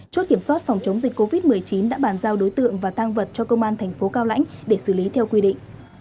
chốt kiểm soát phòng chống dịch covid một mươi chín đã bàn giao đối tượng và tăng vật cho công an thành phố cao lãnh để xử lý theo quy định